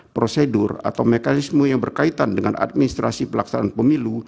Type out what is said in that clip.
prosedur atau mekanisme yang berkaitan dengan administrasi pelaksanaan pemilu